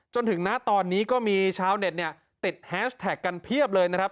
จนถึงณตอนนี้ก็มีชาวเน็ตเนี่ยติดแฮชแท็กกันเพียบเลยนะครับ